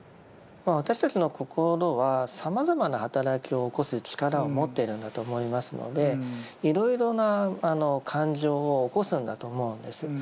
私たちの心はさまざまな働きを起こす力を持っているんだと思いますのでいろいろな感情を起こすんだと思うんです。